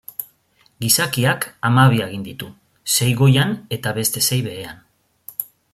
Gizakiak hamabi hagin ditu, sei goian eta beste sei behean.